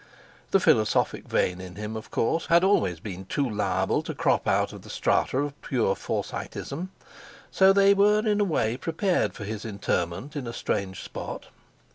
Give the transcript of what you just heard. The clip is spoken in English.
The philosophic vein in him, of course, had always been too liable to crop out of the strata of pure Forsyteism, so they were in a way prepared for his interment in a strange spot.